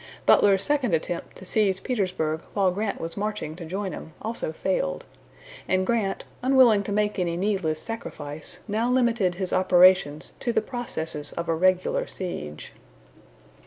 Butler's second attempt to seize Petersburg while Grant was marching to join him also failed, and Grant, unwilling to make any needless sacrifice, now limited his operations to the processes of a regular siege.